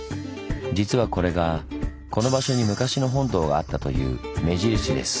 実はこれがこの場所に昔の本堂があったという目印です。